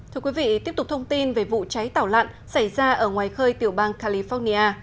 thưa quý vị tiếp tục thông tin về vụ cháy tàu lặn xảy ra ở ngoài khơi tiểu bang california